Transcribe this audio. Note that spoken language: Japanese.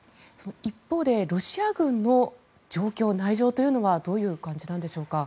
一方でロシア軍の状況内情というのはどういう感じなんでしょうか。